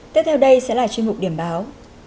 tiếp theo đây sẽ là chuyên mục điểm báo